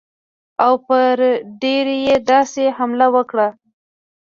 او پر دیر یې داسې حمله وکړه.